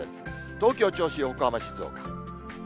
東京、銚子、横浜、静岡。